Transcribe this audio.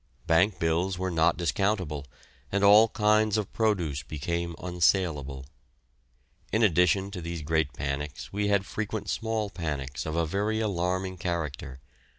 Bank bills were not discountable, and all kinds of produce became unsaleable. In addition to these great panics we had frequent small panics of a very alarming character.